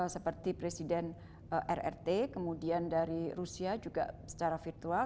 seperti presiden rrt kemudian dari rusia juga secara virtual